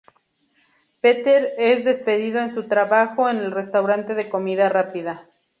Peter es despedido de su trabajo en el restaurante de comida rápida.